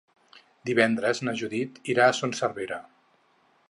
Divendres na Judit irà a Son Servera.